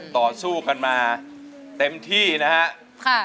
ต่อสู้กันมาเต็มที่นะครับ